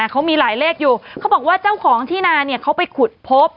เขามีหลายเลขอยู่เขาบอกว่าเจ้าของที่นาเขาไปขุดพบ